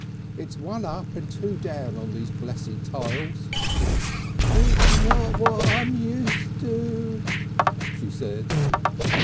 "It's one up and two down on these blessed tiles." "It's not what I'm used to," she said.